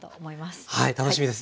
はい楽しみです。